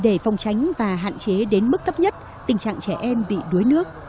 để phòng tránh và hạn chế đến mức thấp nhất tình trạng trẻ em bị đuối nước